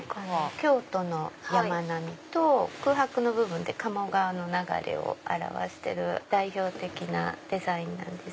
京都の山並みと空白の部分で鴨川の流れを表してる代表的なデザインなんです。